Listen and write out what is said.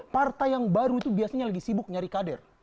partai yang baru itu biasanya lagi sibuk nyari kader